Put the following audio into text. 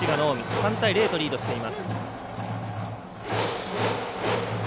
３対０とリードしています。